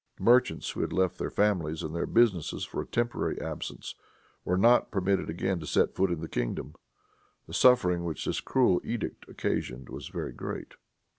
Merchants, who had left their families and their business for a temporary absence, were not permitted again to set foot in the kingdom. The suffering which this cruel edict occasioned was very great.